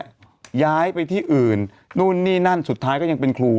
ย้ายไปที่อื่นนู่นนี่นั่นสุดท้ายก็ยังเป็นครู